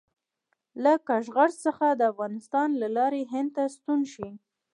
له کاشغر څخه د افغانستان له لارې هند ته ستون شي.